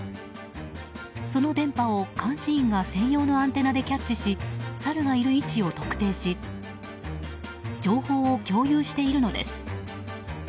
その電波を監視員が専用のアンテナでキャッチしサルがいる位置を特定し情報を共有しているのです。